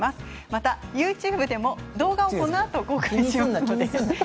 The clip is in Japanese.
またＹｏｕＴｕｂｅでも動画をこのあと公開します。